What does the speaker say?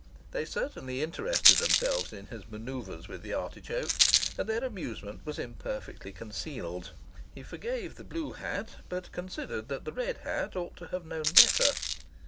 They certainly interested themselves in his manoeuvres with the artichoke, and their amusement was imperfectly concealed. He forgave the blue hat, but considered that the red hat ought to have known better.